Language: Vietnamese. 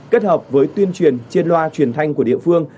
kết hợp với tuyên truyền trên loa truyền thanh của địa phương